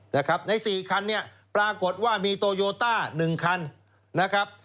ใน๔คันเนี่ยปรากฏว่ามีโตโยต้า๑คันนะครับ